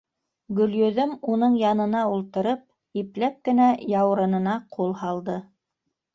Гөлйөҙөм, уның янына ултырып, ипләп кенә яурынына ҡул һалды: